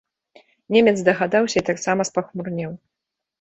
Немец здагадаўся і таксама спахмурнеў.